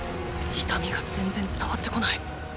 痛みが全然伝わってこない！